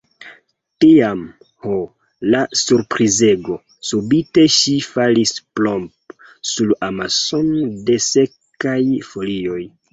Tiam, ho, la surprizego!, subite ŝi falis plomp! sur amason da sekaj folioj.